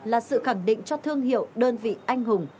là sự khẳng định cho thương hiệu đơn vị anh hùng